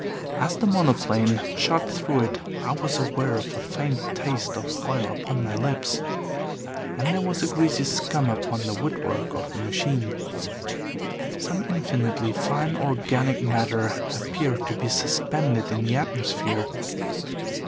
As the monoplane shot through it, I was aware of a faint taste of oil upon my lips, and there was a greasy scum upon the woodwork of the machine. Some infinitely fine organic matter appeared to be suspended in the atmosphere.